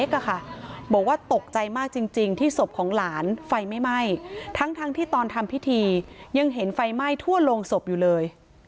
บอกว่าตกใจมากจริงที่ศพของหลานไฟไม่ไหม้ทั้งที่ตอนทำพิธียังเห็นไฟไหม้ทั่วโรงศพอยู่เลย